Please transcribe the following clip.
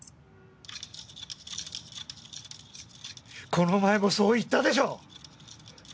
この前もそう言ったでしょ？